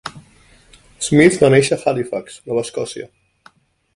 Smith va néixer a Halifax, Nova Escòcia.